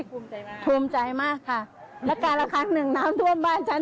ภูมิใจมากภูมิใจมากค่ะแล้วการละครั้งหนึ่งน้ำท่วมบ้านฉัน